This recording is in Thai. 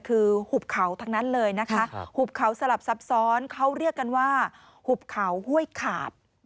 คือหุบเขาทั้งนั้นเลยนะคะหุบเขาสลับซับซ้อนเขาเรียกกันว่าหุบเขาห้วยขาด